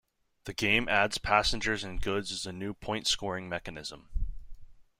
The game adds passengers and goods as a new point-scoring mechanism.